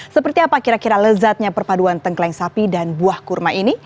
seperti apa kira kira lezatnya perpaduan tengkleng sapi dan buah kurma ini